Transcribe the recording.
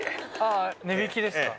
あ値引きですか？